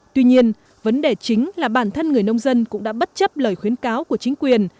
tuy nhiên vấn đề chính là bản thân người nông dân cũng đã bất chấp lời khuyến cáo của chính quyền